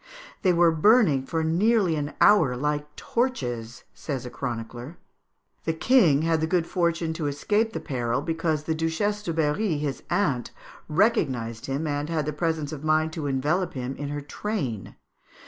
"They were burning for nearly an hour like torches," says a chronicler. "The king had the good fortune to escape the peril, because the Duchesse de Berry, his aunt, recognised him, and had the presence of mind to envelop him in her train" (Fig.